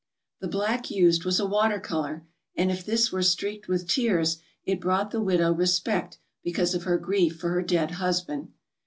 The black used was a water colour, and if this were streaked with tears it brought the widow respect because of her grief for her dead husband.